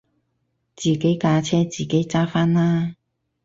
自己架車自己揸返啦